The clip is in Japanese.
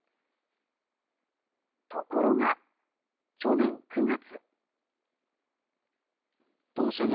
ところが、去年９月。